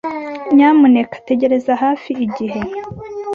Nyamuneka tegereza hafi igihe.